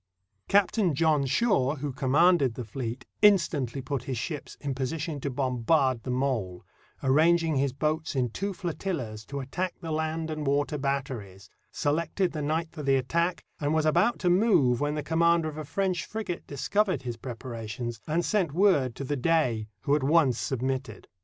Captain John Shaw, who commanded the fleet, instantly put his ships in position to bombard the mole, arranged his boats in two flotillas to attack the land and water batteries, selected the night for the attack, and was about to move when the commander of a French frigate discovered his preparations and sent word to the 307 NORTHERN AFRICA Dey, who at once submitted.